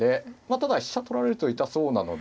ただ飛車取られると痛そうなので。